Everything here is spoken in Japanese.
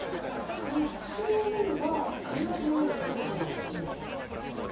その薬をのめば必ず治るってことでいいんでしょうか？